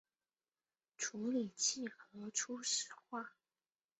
处理器核初始化